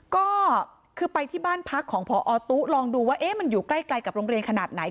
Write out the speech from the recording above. ก็คือไปที่บ้านพักของพอตู้ลองดูว่ามันอยู่ใกล้กับโรงเรียนขนาดไหน